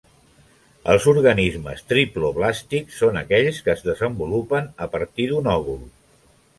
Els organismes triploblàstics són aquells que es desenvolupen a partir d'un òvul.